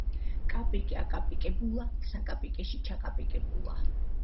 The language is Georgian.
კაპიკი აკაპიკებულა, საკაპეში ჩაკაპიკებულა